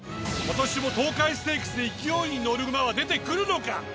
今年も東海ステークスで勢いに乗る馬は出てくるのか？